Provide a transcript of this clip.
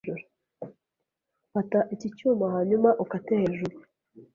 Fata iki cyuma hanyuma ukate hejuru.